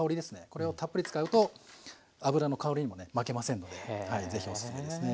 これをたっぷり使うと油の香りにもね負けませんのではい是非おすすめですね。